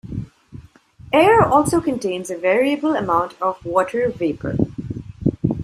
Air also contains a variable amount of water vapor.